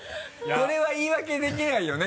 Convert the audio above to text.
これは言い訳できないよね？